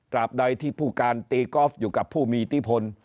บใดที่ผู้การตีกอล์ฟอยู่กับผู้มีอิทธิพล